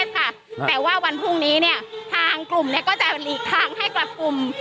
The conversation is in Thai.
แต่ว่าวันพรุ่งนี้ทางกลุ่มก็จะหลีกทางให้กลับกลุ่ม